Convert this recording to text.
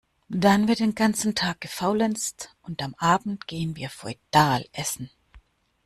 Dann wird den ganzen Tag gefaulenzt und am Abend gehen wir feudal Essen.